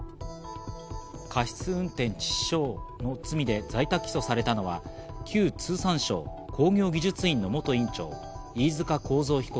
過失運転致死傷の罪で在宅起訴されたのは旧通産省工業技術院の元院長・飯塚幸三被告